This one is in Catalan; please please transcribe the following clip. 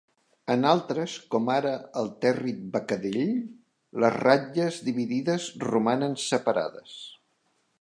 En altres, com ara el territ becadell, les ratlles dividides romanen separades.